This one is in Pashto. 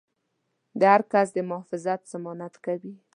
د هر کس د محافظت ضمانت کوي.